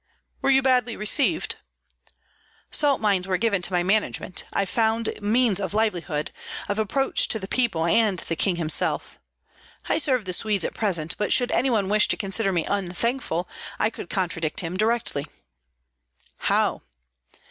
"Were you badly received?" "Salt mines were given to my management. I found means of livelihood, of approach to the people and the king himself; I serve the Swedes at present, but should any one wish to consider me unthankful, I could contradict him directly." "How?"